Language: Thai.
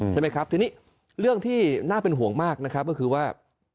ใช่ไหมครับทีนี้เรื่องที่น่าเป็นห่วงมากนะครับก็คือว่า